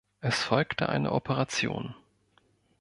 Es folgte eine Operation.